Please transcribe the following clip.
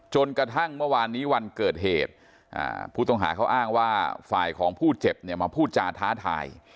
จนกระทั่งเมื่อวานนี้วันเกิดเหตุผู้ต้องหาเขาอ้างว่าฝ่ายของผู้เจ็บเนี่ยมาพูดจาท้าทาย